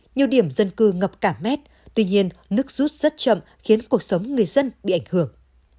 nhiều điểm dân cư ngập cả mét tuy nhiên nước rút rất chậm khiến cuộc sống người dân bị ảnh hưởng